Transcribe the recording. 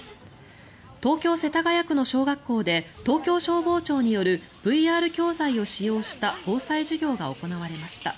東京・世田谷区の小学校で東京消防庁によるＶＲ教材を使用した防災授業が行われました。